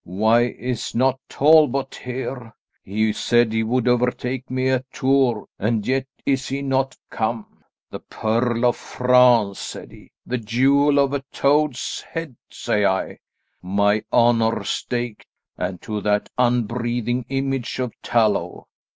Why is not Talbot here? He said he would overtake me at Tours, and yet is he not come. The Pearl of France, said he, the jewel of a toad's head, say I. My honour staked, and to that unbreathing image of tallow!